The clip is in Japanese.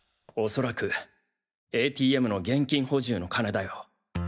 おそらくＡＴＭの現金補充の金だよ。